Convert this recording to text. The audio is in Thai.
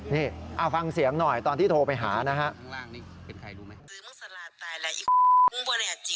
นี่ฟังเสียงหน่อยตอนที่โทรไปหานะฮะ